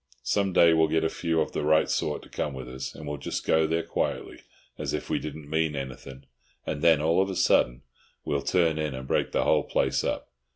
Some day we'll get a few of the right sort to come with us, and we'll just go there quietly, as if we didn't mean anything, and then, all of a sudden, we'll turn in and break the whole place up!